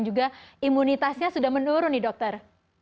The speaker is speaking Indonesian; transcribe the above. juga imunitasnya sudah menurun nih dokter